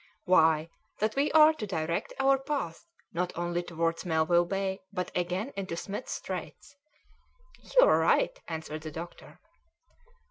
"Why, that we are to direct our path not only towards Melville Bay, but again into Smith's Straits." "You are right," answered the doctor.